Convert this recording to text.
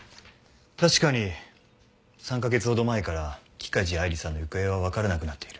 確かに３カ月ほど前から木梶愛莉さんの行方は分からなくなっている。